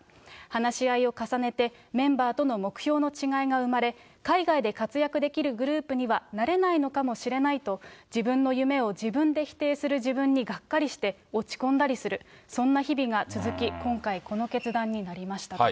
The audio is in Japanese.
話し合いを重ねて、メンバーとの目標の違いが生まれ、海外で活躍できるグループにはなれないのかもしれないと、自分の夢を自分で否定する自分にがっかりして、落ち込んだりする、そんな日々が続き、今回、この決断になりましたと。